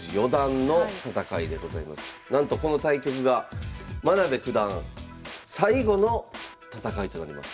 なんとこの対局が真部九段最後の戦いとなります。